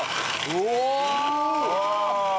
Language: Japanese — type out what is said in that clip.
うわ！